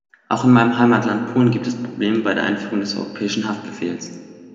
Auch in meinem Heimatland Polen gibt es Probleme bei der Einführung des Europäischen Haftbefehls.